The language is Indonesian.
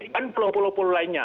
kan pulau pulau lainnya